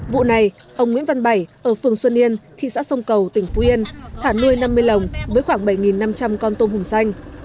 vụ này ông nguyễn văn bảy ở phường xuân yên thị xã sông cầu tỉnh phú yên thả nuôi năm mươi lồng với khoảng bảy năm trăm linh con tôm hùm xanh